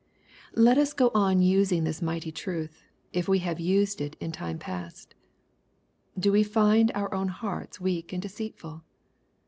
Let us go on using this mighty truth, if we have used it in time past Do we find our own hearts weak and deceitful